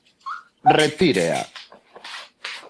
¡Retírea!